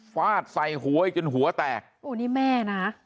ฟาดใส่หัวอีกจนหัวแตกโอ้นี่แม่นะ